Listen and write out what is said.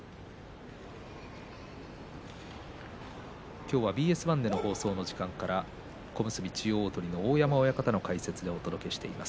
今日はＢＳ１での放送の時間から、小結千代鳳の大山親方の解説でお届けしています。